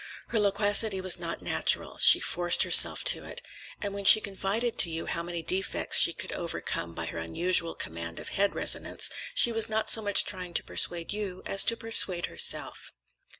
Her loquacity was not natural, she forced herself to it, and when she confided to you how many defects she could overcome by her unusual command of head resonance, she was not so much trying to persuade you as to persuade herself.